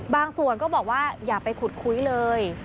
ก็บอกว่าอย่าไปขุดคุยเลย